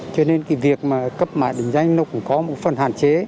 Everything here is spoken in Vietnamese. cho nên cái việc mà cấp mã định danh nó cũng có một phần hạn chế